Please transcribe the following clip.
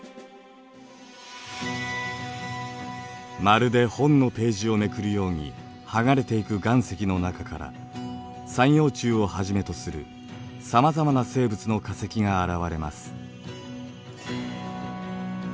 まるで本のページをめくるように剥がれていく岩石の中から三葉虫をはじめとするさまざまな生物の化石が現れます。